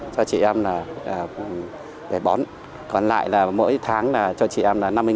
cho chị em là bốn triệu còn lại là mỗi tháng cho chị em là năm mươi nghìn